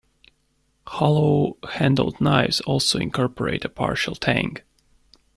Hollow-handled knives also incorporate a partial tang.